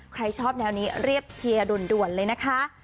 ใครชอบแนวนี้เรียกเชียร์ด่วนเลยนะคะ